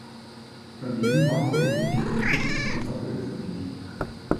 Daneben hat sie einige Bücher zum Thema veröffentlicht.